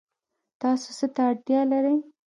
تاسو څه ته اړتیا لرئ؟